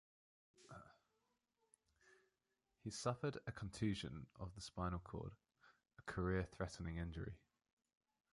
He suffered a contusion of the spinal cord, a career-threatening injury.